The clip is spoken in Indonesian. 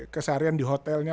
kesaharian di hotelnya